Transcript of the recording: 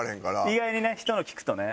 意外にね人のを聴くとね。